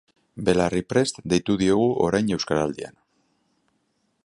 Belarriprest deitu diogu orain Euskaraldian.